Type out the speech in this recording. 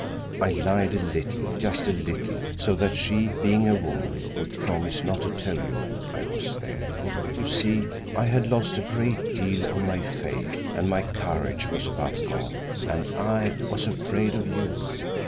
I lied a little, just a little, so that she, being a woman, would promise not to tell you I was there. You see, I had lost a great deal of my faith, and my courage was about gone, and I was afraid of you."